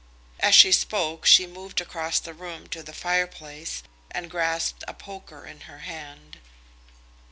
As she spoke she moved across the room to the fire place and grasped the poker in her hand.